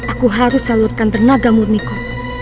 aku harus salurkan tenaga murniku